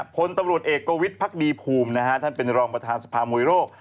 คนตำรวจเอกโกวิทพรรคดีภูมิท่านเป็นรองประธานสภาโมยโลก